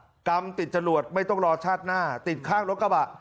กรรมติดจรวดไม่ต้องรอชาติหน้าติดข้างรถกระบะ